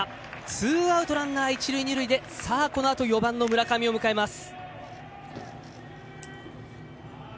ツーアウトランナー、一塁二塁でこのあと４番の村上を迎えます。